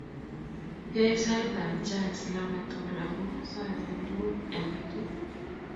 Yoe saetab Hija islamek tugul aku soe konyil mut eng' betut